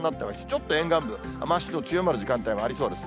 ちょっと沿岸部、雨足の強まる時間帯もありそうです。